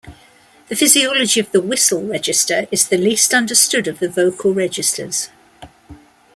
The physiology of the whistle register is the least understood of the vocal registers.